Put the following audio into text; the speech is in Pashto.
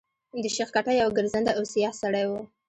شېخ کټه يو ګرځنده او سیاح سړی وو.